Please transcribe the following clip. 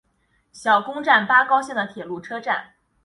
小宫站八高线的铁路车站。